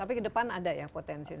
tapi ke depan ada ya potensi